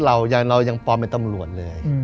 เพราะว่าอย่างมนุษย์เรายังปลอมเป็นตำรวจเลย